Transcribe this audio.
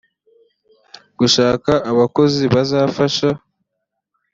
gushaka abakozi bazafasha